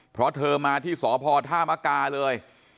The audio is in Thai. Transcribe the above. เพราะเธอมาที่สพธามกาเลย